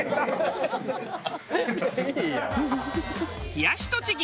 冷やし栃木。